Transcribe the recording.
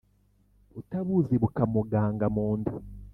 utabuzi bukamuganga mu nda!